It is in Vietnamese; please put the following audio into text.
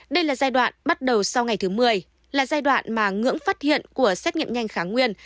đây là giai đoạn bắt đầu sau ngày thứ một mươi là giai đoạn mà ngưỡng phát hiện của xét nghiệm nhanh kháng nguyên